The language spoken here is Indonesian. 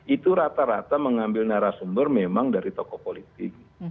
itu rata rata mengambil narasumber memang dari tokoh politik